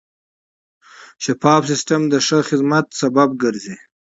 شفاف سیستم د ښه خدمت لامل ګرځي.